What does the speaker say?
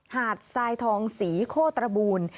หาดทรายทองศรีโคตรบูล